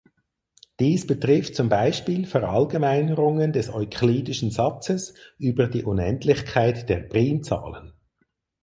Dies betrifft zum Beispiel Verallgemeinerungen des euklidischen Satzes über die Unendlichkeit der Primzahlen.